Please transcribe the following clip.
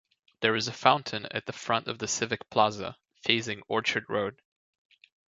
There is a fountain at the front of the Civic Plaza facing Orchard Road.